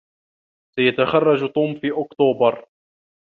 سيتخرج توم في أكتوبر.